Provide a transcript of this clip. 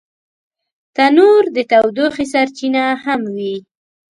تنور د تودوخې سرچینه هم وي